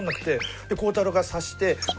で孝太郎が察して。